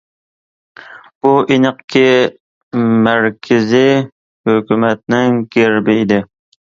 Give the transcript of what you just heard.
بۇ ئېنىقكى مەركىزى ھۆكۈمەتنىڭ گېربى ئىدى.